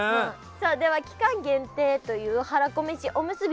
さあでは期間限定というはらこめしおむすび。